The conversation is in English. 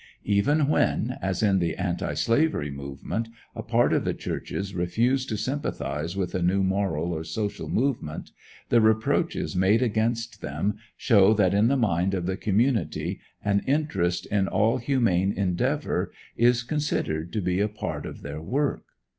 Even when, as in the antislavery movement, a part of the churches refuse to sympathize with a new moral or social movement, the reproaches made against them show that in the mind of the community an interest in all humane endeavor is considered to be a part of their work.